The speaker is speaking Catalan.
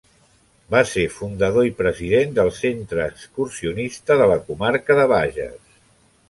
Va ser fundador i president del Centre Excursionista de la Comarca de Bages.